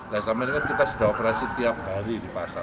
nah selama ini kan kita sudah operasi tiap hari di pasar